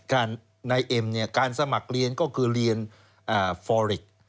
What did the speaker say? การนายเอ็มการสมัครเรียนก็คือเรียนฟอร์ริก